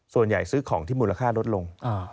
ส่วนใหญ่ซื้อของที่มูลค่ารดลง